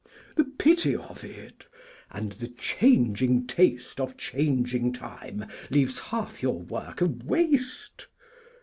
The Pity of it! And the changing Taste Of changing Time leaves half your Work a Waste!